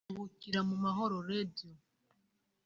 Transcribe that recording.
Ruhukira mu mahoro Radio”